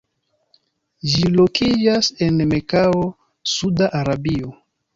Ĝi lokiĝas en Mekao, Sauda Arabio.